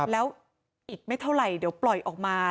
แล้วอีกไม่เท่าไหร่เดี๋ยวปล่อยออกมา